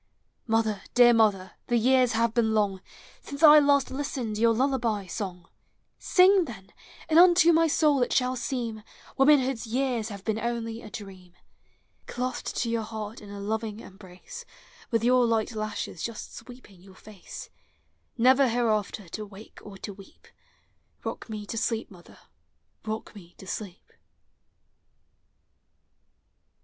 Mother, dear mother, the years have been long Since I last listened your lullaby song: 286 P0KA1S OF HOME. Sing, then, and unto my soul it shall seem Womanhood's years have been only a dreain. Clasped to your heart in a loving embrace, With your light lashes jusi sweeping your fate, Never hereafter to wake or to weep; — Kock me to sleep, mother, — rock me to sleep!